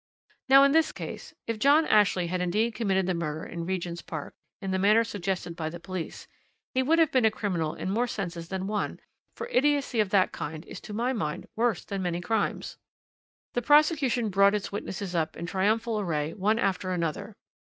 "Now in this case, if John Ashley had indeed committed the murder in Regent's Park in the manner suggested by the police, he would have been a criminal in more senses than one, for idiocy of that kind is to my mind worse than many crimes. "The prosecution brought its witnesses up in triumphal array one after another.